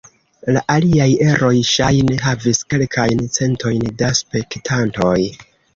La aliaj eroj ŝajne havis kelkajn centojn da spektantoj.